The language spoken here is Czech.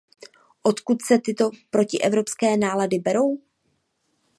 Odkud se tyto protievropské nálady berou?